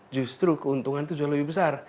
justru keuntungan itu jauh lebih besar